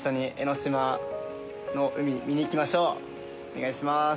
お願いします。